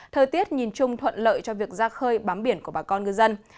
thời tiết nhìn chung thuận lợi cho việc ra khơi bám biển của bà con ngư dân